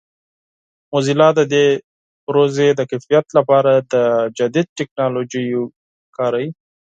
موزیلا د دې پروژې د کیفیت لپاره د جدید ټکنالوژیو کاروي.